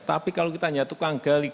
tapi kalau kita hanya tukang gali